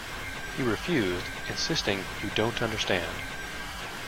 He refused, insisting You don't understand.